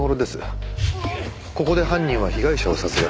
ここで犯人は被害者を殺害。